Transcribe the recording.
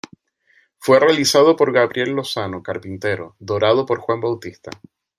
Fue realizado por Gabriel Lozano, carpintero, dorado por Juan Bautista.